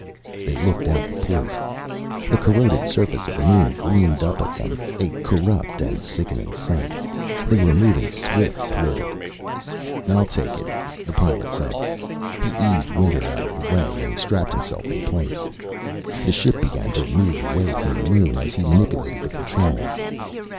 They looked out the port. The corroded surface of the moon gleamed up at them, a corrupt and sickening sight. They were moving swiftly toward it. "I'll take it," the Pilot said. He eased Winter out of the way and strapped himself in place. The ship began to move away from the moon as he manipulated the controls.